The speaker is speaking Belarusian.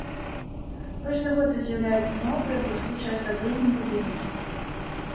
Кожны год тут з'яўляюцца новыя, бліскучыя аздабленнем будынкі.